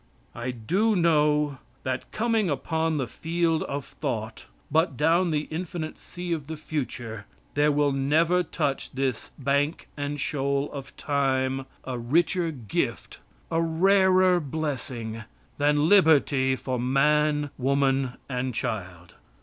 I do know that, coming upon the field of thought; but down the infinite sea of the future, there will never touch this "bank and shoal of time" a richer gift, a rarer blessing than liberty for man, woman and child.